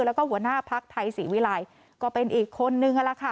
แล้วก็หัวหน้าภักดิ์ไทยศรีวิรัยก็เป็นอีกคนนึงนั่นแหละค่ะ